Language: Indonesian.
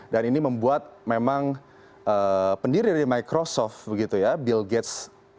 dan ini membuat memang pendiri dari microsoft bill gates